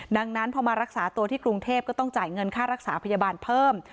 ดังนั้นพอมารักษาตัวที่กรุงเทพก็ต้องจ่ายเงินค่ารักษาพยาบาลเพิ่ม